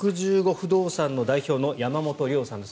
不動産の代表の山本遼さんです。